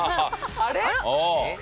あれ？